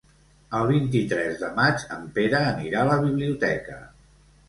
El vint-i-tres de maig en Pere anirà a la biblioteca.